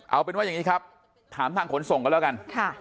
เอาเป็นว่าอย่างนี้ครับถามทางขนส่งกันแล้วกัน